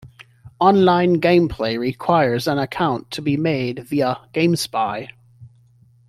Online gameplay requires an account to be made via GameSpy.